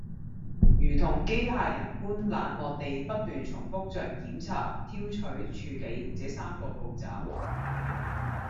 如同機械人般冷漠地不斷重覆著檢查、挑取、處理這三個步驟